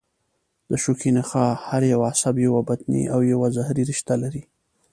د شوکي نخاع هر یو عصب یوه بطني او یوه ظهري رشته لري.